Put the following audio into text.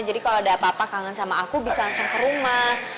jadi kalo ada apa apa kangen sama aku bisa langsung ke rumah